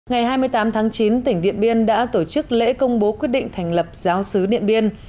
ngày hai mươi tám tháng chín tỉnh điện biên đã tổ chức lễ công bố quyết định thành lập giáo sứ điện biên